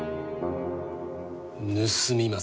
盗みまする。